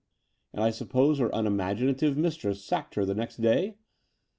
"And I suppose her unimaginative mistress sacked her the next day?"